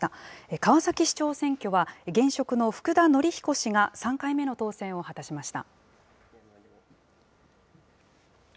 川崎市長選挙は現職の福田紀彦氏が３回目の当選を果たしました。